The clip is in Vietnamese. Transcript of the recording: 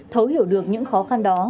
thấu hiểu được những khó khăn đó